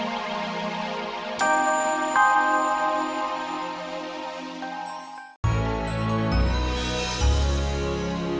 sari kata dari sdi media